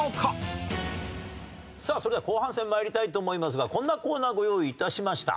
さあそれでは後半戦参りたいと思いますがこんなコーナーご用意致しました。